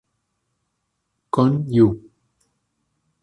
Con Yu.